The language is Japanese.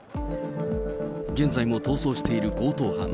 現在も逃走している強盗犯。